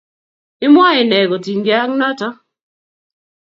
imwoe nee kotinykei ak noto?